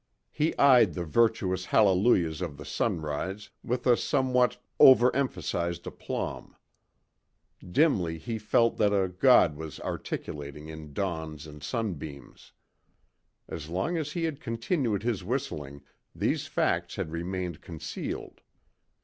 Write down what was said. He eyed the virtuous hallelujahs of the sunrise with a somewhat over emphasized aplomb. Dimly he felt that a God was articulating in dawns and sunbeams. As long as he had continued his whistling, these facts had remained concealed.